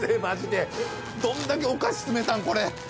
どんだけお菓子詰めたんこれ。